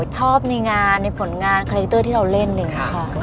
ชอบในงานในผลงานคาแรกเตอร์ที่เราเล่นเลยค่ะ